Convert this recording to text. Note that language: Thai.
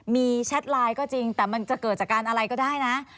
มีแชทไลน์ก็จริงแต่มันจะเกิดจากการอะไรก็ได้นะ